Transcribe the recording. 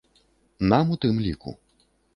Нам у тым ліку.